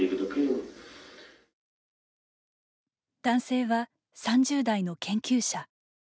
男性は、３０代の研究者。